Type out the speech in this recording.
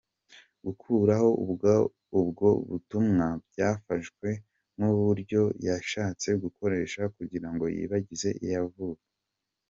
Gukuraho ubwo butumwa byafashwe nk’uburyo yashatse gukoresha kugirango yibagize ibyo yavuze.